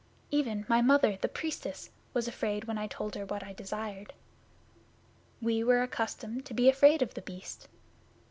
Even, my Mother, the Priestess, was afraid when I told her what I desired. We were accustomed to be afraid of The Beast.